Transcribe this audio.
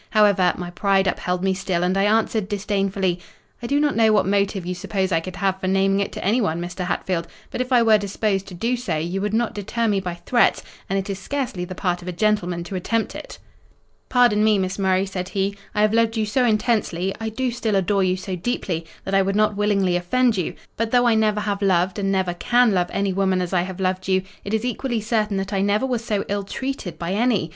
However, my pride upheld me still, and I answered disdainfully; 'I do not know what motive you suppose I could have for naming it to anyone, Mr. Hatfield; but if I were disposed to do so, you would not deter me by threats; and it is scarcely the part of a gentleman to attempt it.' "'Pardon me, Miss Murray,' said he, 'I have loved you so intensely—I do still adore you so deeply, that I would not willingly offend you; but though I never have loved, and never can love any woman as I have loved you, it is equally certain that I never was so ill treated by any.